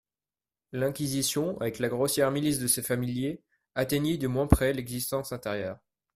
L'inquisition, avec la grossière milice de ses familiers, atteignit de moins près l'existence intérieure.